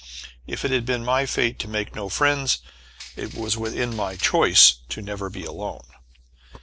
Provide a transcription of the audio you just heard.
If it had been my fate to make no friends, it was within my choice to be never alone.